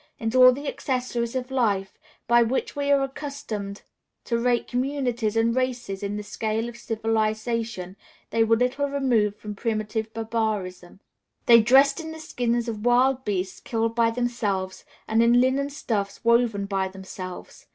In all the accessories of life, by which we are accustomed to rate communities and races in the scale of civilization, they were little removed from primitive barbarism. They dressed in the skins of wild beasts killed by themselves, and in linen stuffs woven by themselves.